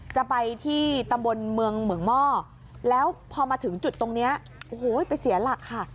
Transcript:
จะไปที่ตำบลเมืองเหมืองหม้อแล้วพอมาถึงจุดตรงนี้โอ้โหไปเสียหลักค่ะ